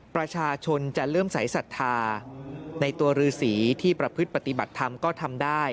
ประชาชนจะเริ่มสายศรัทธาในตัวรือสีที่ประพฤติปฏิบัติธรรมก็ทำได้